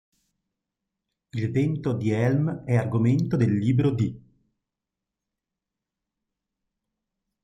Il vento di Helm è argomento del libro di